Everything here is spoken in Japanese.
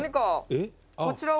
「えっ？」